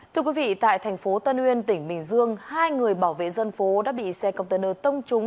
thưa quý vị tại thành phố tân uyên tỉnh bình dương hai người bảo vệ dân phố đã bị xe container tông trúng